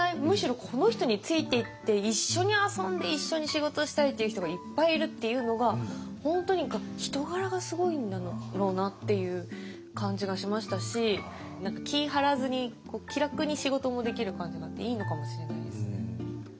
むしろこの人についていって一緒に遊んで一緒に仕事したいって人がいっぱいいるっていうのが本当に人柄がすごいんだろうなっていう感じがしましたし気ぃ張らずに気楽に仕事もできる感じがあっていいのかもしれないですね。